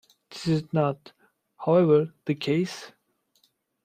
This is not, however, the case.